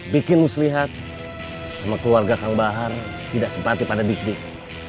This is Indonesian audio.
bikin muslihat sama keluarga kang bahar tidak simpati pada dik dik